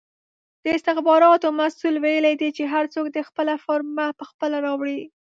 د استخباراتو مسئول ویلې دي چې هر څوک دې خپله فرمه پخپله راوړي!